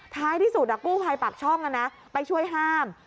ท้ายที่สุดกู้ภัยปากช่องไปช่วยห้าม